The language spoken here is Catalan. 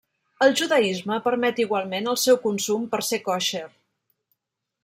El judaisme permet igualment el seu consum per ser kosher.